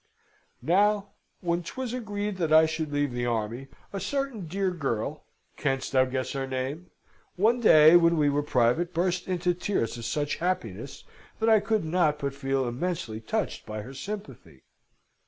"Now, when 'twas agreed that I should leave the army, a certain dear girl (canst thou guess her name?) one day, when we were private, burst into tears of such happiness, that I could not but feel immensely touched by her sympathy.